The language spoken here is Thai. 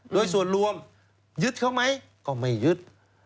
โดยส่วนรวมยึดเขาไหมก็ไม่ยึด